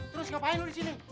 terus ngapain lu disini